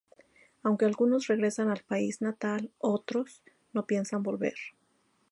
Aunque algunos regresan al país natal otros, no piensan volver.